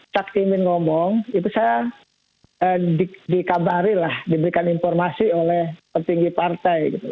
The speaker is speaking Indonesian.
saat timin ngomong itu saya dikabari lah diberikan informasi oleh petinggi partai